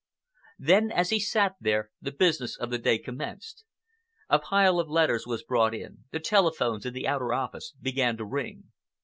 Then, as he sat there, the business of the day commenced. A pile of letters was brought in, the telephones in the outer office began to ring.